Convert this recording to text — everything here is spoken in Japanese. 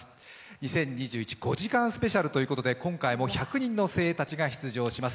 ２０２１、５時間スペシャルということで今回も１００人の精鋭たちが出場します。